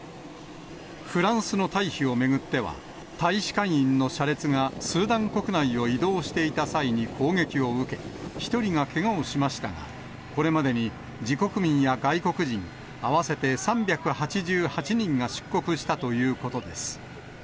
フランスの退避を巡っては、大使館員の車列がスーダン国内を移動していた際に攻撃を受け、１人がけがをしましたが、これまでに自国民や外国人合わせて３８８人が出国したということです。